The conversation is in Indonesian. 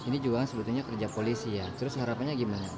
ini juga sebetulnya kerja polisi ya terus harapannya gimana